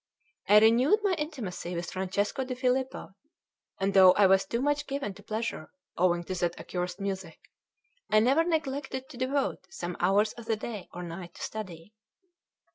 I renewed my intimacy with Francesco di Filippo; and though I was too much given to pleasure, owing to that accursed music, I never neglected to devote some hours of the day or night to study.